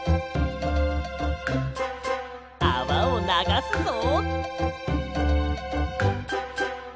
あわをながすぞ！